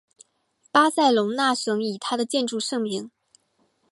巴塞隆纳省以它的建筑盛名。